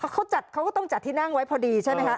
เขาจัดเขาก็ต้องจัดที่นั่งไว้พอดีใช่ไหมคะ